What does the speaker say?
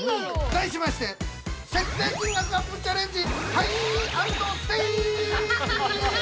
◆題しまして、設定金額アップチャレンジハイ＆ステイ！